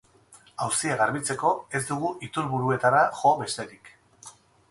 Auzia garbitzeko, ez dugu iturburuetara jo besterik.